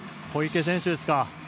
小池選手ですか。